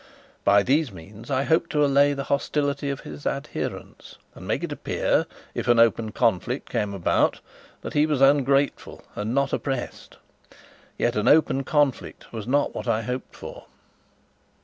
By these means I hoped to allay the hostility of his adherents, and make it appear, if an open conflict came about, that he was ungrateful and not oppressed. Yet an open conflict was not what I hoped for.